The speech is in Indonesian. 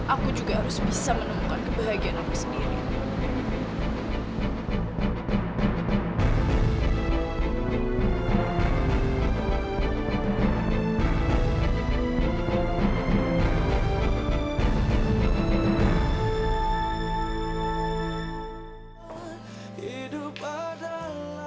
aku juga harus bisa menemukan kebahagiaan aku sendiri